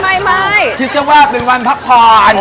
ชิคกี้พายว่าเป็นวันพักผ่อน